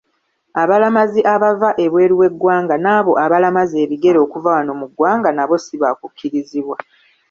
Abalamazi abava ebweru w’eggwanga n’abo abalamaza ebigere okuva wano mu ggwanga, nabo sibaakukkirizibwa.